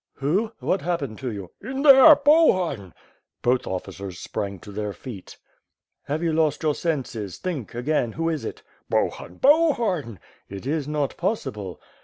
"Who? What happened to you?" "In there— Bohun!" Both officers sprang to their feet. "Have you lost your senses? Think, again, who is it?" "Bohun! Bohun!" "It is not possible."